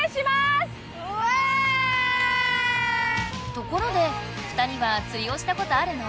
ところで２人はつりをしたことあるの？